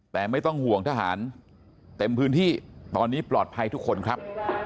แต่ไม่ต้องห่วงทหารเต็มพื้นที่ตอนนี้ปลอดภัยทุกคนครับ